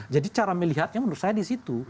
jadi cara melihatnya menurut saya di situ